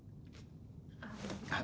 あっ。